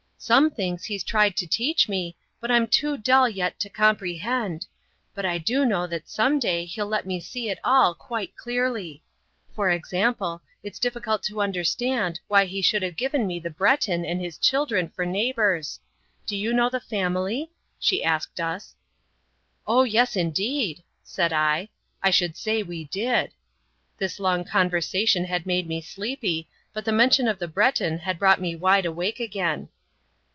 Some things He's tried to teach me, but I'm too dull yet to comprehend, but I do know that some day He'll let me see it all quite clearly. For example, it's difficult to understand why He should have given me the Breton and his children for neighbors. Do you know the family?" she asked us. "Oh, yes, indeed," said I; "I should say we did." This long conversation had made me sleepy, but the mention of the Breton had brought me wide awake again.